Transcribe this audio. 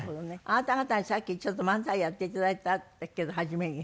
あなた方にさっきちょっと漫才やって頂いたんだけど初めに。